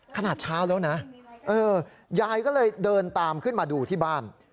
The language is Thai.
ขนาดเช้าแล้วนะยายก็เลยเดินตามขึ้นมาดูที่บ้าน